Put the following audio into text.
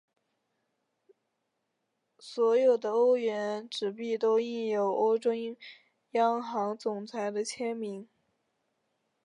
所有的欧元纸币都印有欧洲央行总裁的签名。